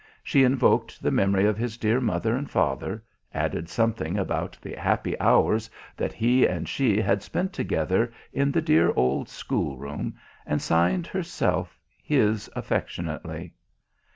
She invoked the memory of his dear mother and father, added something about the happy hours that he and she had spent together in the dear old school room, and signed herself his affectionately.